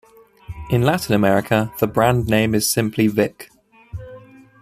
In Latin America, the brand name is simply Vick.